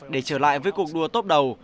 để trở lại với cuộc đua tốt đầu